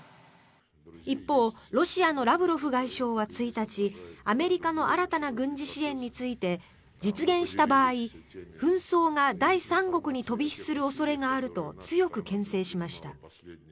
一方、ロシアのラブロフ外相は１日アメリカの新たな軍事支援について実現した場合、紛争が第三国に飛び火する恐れがあると強くけん制しました。